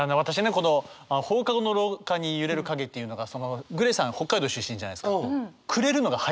この「放課後の廊下に揺れる影」っていうのがＧＬＡＹさん北海道出身じゃないですか。